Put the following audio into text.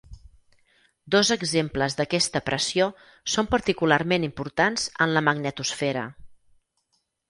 Dos exemples d'aquesta pressió són particularment importants en la magnetosfera.